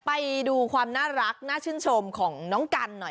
ไปดูความน่ารักน่าชื่นชมของน้องกันหน่อย